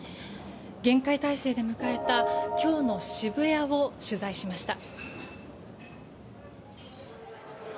厳戒態勢で迎えた今日の渋谷を取材しました。